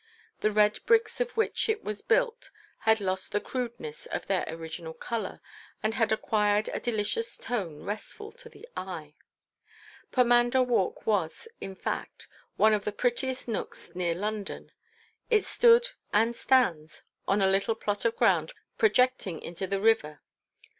The red bricks of which it was built had lost the crudeness of their original colour and had acquired a delicious tone restful to the eye. Pomander Walk was, in fact, one of the prettiest nooks near London. It stood—and stands—on a little plot of ground projecting into the river.